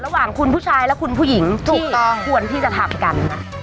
ระหว่างคุณผู้ชายและคุณผู้หญิงถูกต้องควรที่จะทำกันนะ